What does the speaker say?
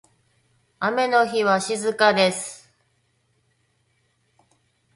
雨の日は静かです。